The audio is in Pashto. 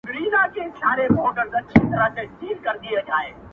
توبه ګاره له توبې یم- پر مغان غزل لیکمه-